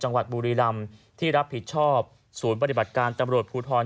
จังหวัดบูรีรัมที่รับผิดชอบศูนย์ปฏิบัติการตำรวจภูทธร